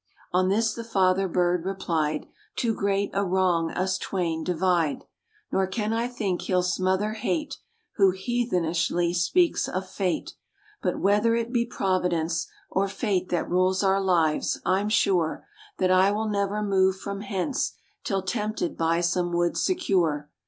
On this the father bird replied "Too great a wrong us twain divide; Nor can I think he'll smother hate, Who heathenishly speaks of Fate. But whether it be Providence Or Fate that rules our lives, I'm sure That I will never move from hence Till tempted by some wood secure.